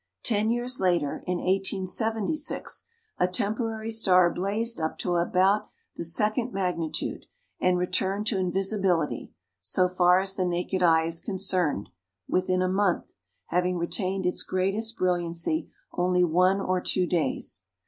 Ten years later, in 1876, a temporary star blazed up to about the second magnitude, and returned to invisibility, so far as the naked eye is concerned, within a month, having retained its greatest brilliancy only one or two days.